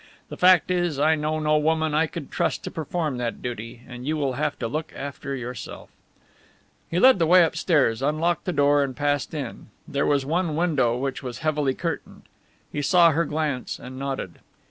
The fact is, I know no woman I could trust to perform that duty, and you will have to look after yourself." He led the way upstairs, unlocked a door and passed in. There was one window which was heavily curtained. He saw her glance and nodded.